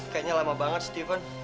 kayaknya lama banget steven